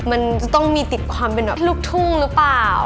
มันจะต้องมีติดความเป็นแบบลูกทุ่งหรือเปล่า